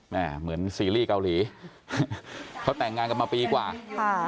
เหมือนซีรีส์เกาหลีเขาแต่งงานกันมาปีกว่าค่ะ